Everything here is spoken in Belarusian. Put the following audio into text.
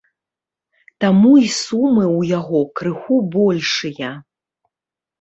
Таму і сумы ў яго крыху большыя.